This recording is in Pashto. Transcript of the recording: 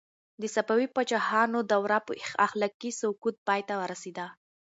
د صفوي پاچاهانو دوره په اخلاقي سقوط پای ته ورسېده.